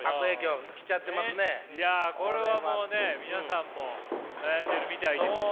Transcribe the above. いやこれはもうね皆さんも悩んでるみたいですし。